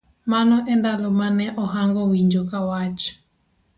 Mano e ndalo ma ne ahango winjo ka wach